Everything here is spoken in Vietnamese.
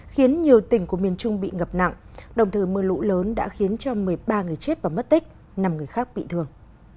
khiến nhiều tỉnh của miền trung bị ngập nặng đồng thời mưa lũ lớn đã khiến cho một mươi ba người chết và mất tích năm người khác bị thương